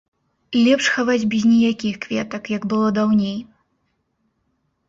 Лепш хаваць без ніякіх кветак, як было даўней.